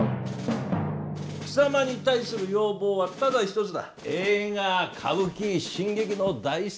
貴様に対する要望はただ一つだ。